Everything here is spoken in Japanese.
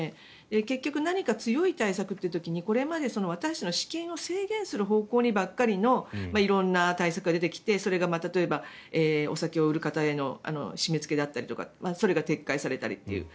結局何か強い対策という時にこれまで私たちの私権を制限する方向の対策ばかりが出てきてそれが例えばお酒を売る方への締めつけだとかそれが撤回されたりという。